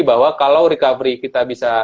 bahwa kalau recovery kita bisa